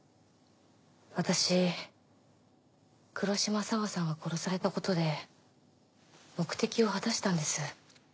私黒島沙和さんが殺されたことで目的を果たしたんです。